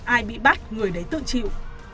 ai bị bắt người đấy tự chịu